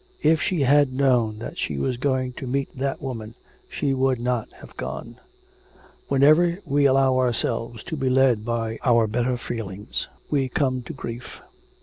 If she had known that she was going to meet that woman she would not have gone. Whenever we allow ourselves to be led by our better feelings we come to grief.